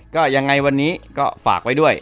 ก็ยังไงวันนี้ก็ฝากไว้ด้วย